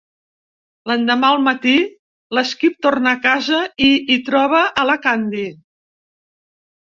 L'endemà al matí, l'Skip torna a casa i hi troba a la Candy.